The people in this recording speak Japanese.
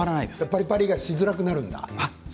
パリパリがしづらくなるんだ。